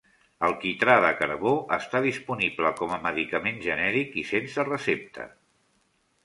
El quitrà de carbó està disponible com a medicament genèric i sense recepta.